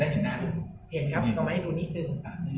เห็นครับกลัวไม่ดูนี่จึง